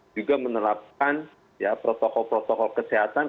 juga menerapkan protokol protokol kesehatan